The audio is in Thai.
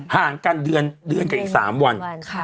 ห่างกันเดือนกับอีก๓วัน